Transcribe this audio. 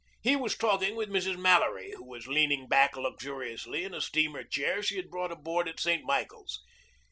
He was talking with Mrs. Mallory, who was leaning back luxuriously in a steamer chair she had brought aboard at St. Michael's.